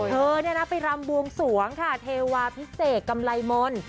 เธอไปรำบวงสวงค่ะเทวาพิเศษกำไรมนต์